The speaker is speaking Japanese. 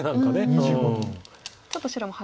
ちょっと白も。